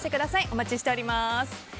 お待ちしております。